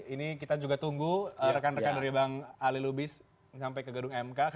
ini kita juga tunggu rekan rekan dari bang ali lubis sampai ke gedung mk